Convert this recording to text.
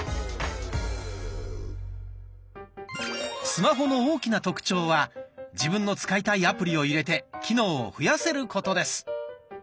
スマホの大きな特徴は自分の使いたいアプリを入れて機能を増やせることです。